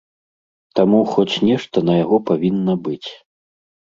Таму, хоць нешта на яго павінна быць.